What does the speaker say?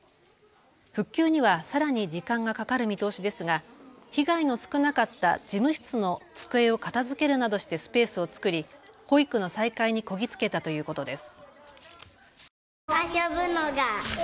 復旧には、さらに時間がかかる見通しですが被害の少なかった事務室の机を片づけるなどしてスペースを作り、保育の再開にこぎ着けたということです。